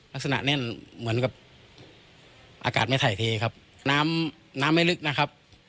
ลักษณะแน่นเหมือนกับอากาศไม่ถ่ายเทครับน้ำน้ำไม่ลึกนะครับ